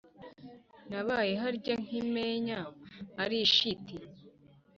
nabaye harya nkimenya ari ishiti,